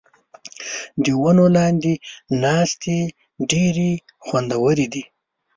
د ونو لاندې ناستې ډېرې خوندورې دي.